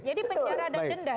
jadi penjara ada denda